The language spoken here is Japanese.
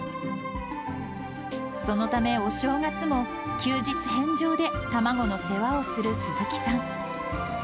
そのため、お正月も休日返上で卵の世話をする鈴木さん。